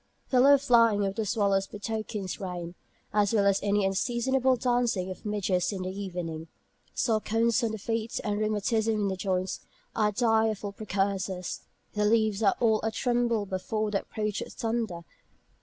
The low flying of the swallows betokens rain, as well as any unseasonable dancing of midges in the evening. Sore corns on the feet, and rheumatism in the joints, are direful precursors. The leaves are all a tremble before the approach of thunder.